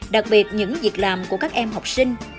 đặc biệt những việc làm của các em học sinh